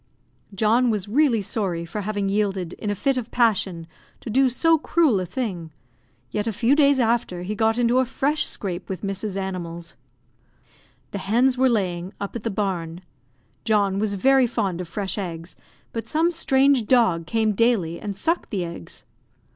John was really sorry for having yielded, in a fit of passion, to do so cruel a thing; yet a few days after he got into a fresh scrape with Mrs. 's animals. The hens were laying, up at the barn. John was very fond of fresh eggs, but some strange dog came daily and sucked the eggs.